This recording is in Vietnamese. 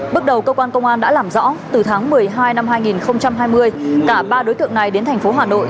bước đầu cơ quan công an đã làm rõ từ tháng một mươi hai năm hai nghìn hai mươi cả ba đối tượng này đến thành phố hà nội